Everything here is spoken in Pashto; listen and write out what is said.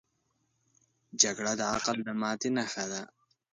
جګړه د عقل د ماتې نښه ده